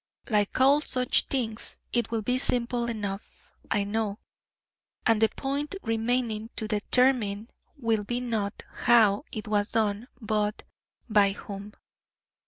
Like all such things, it will be simple enough, I know, and the point remaining to determine will be not how it was done, but by whom.